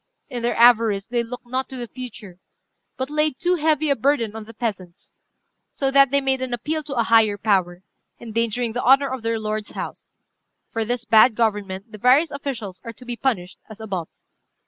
In their avarice they looked not to the future, but laid too heavy a burden on the peasants, so that they made an appeal to a higher power, endangering the honour of their lord's house. For this bad government the various officials are to be punished as above."